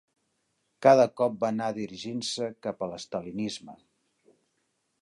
Cada cop va anar dirigint-se cap a l'estalinisme.